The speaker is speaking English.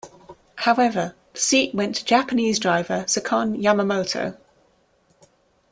However, the seat went to Japanese driver Sakon Yamamoto.